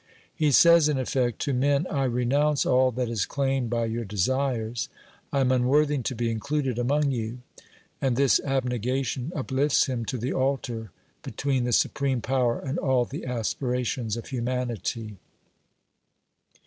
He says, in effect, to men : I renounce all that is claimed by your desires, I am unworthy to be included among you. And this abnegation uplifts him to the altar, between the Supreme Power and all the aspirations of humanity.